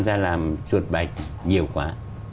ra làm chuột bạch nhiều quá